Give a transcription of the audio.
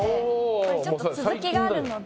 これちょっと続きがあるので。